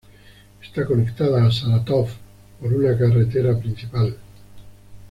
Está conectada a Sarátov por una carretera principal.